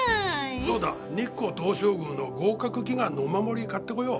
そうだ日光東照宮の合格祈願のお守り買ってこよう。